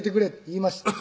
言いました